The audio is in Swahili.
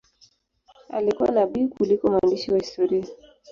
Alikuwa nabii kuliko mwandishi wa historia.